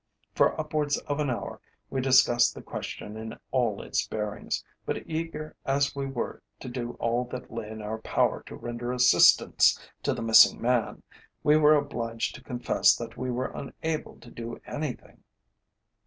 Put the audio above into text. For upwards of an hour we discussed the question in all its bearings, but eager as we were to do all that lay in our power to render assistance to the missing man, we were obliged to confess that we were unable to do anything.